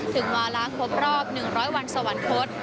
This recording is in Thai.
ถึงวาราคมรอบ๑๐๐วันสวรรค์พศ